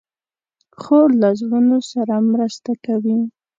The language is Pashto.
خور له زړونو سره مرسته کوي.